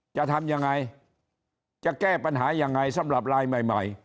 จะทำยังไงจะแก้ปัญหายังไงสำหรับลายใหม่ใหม่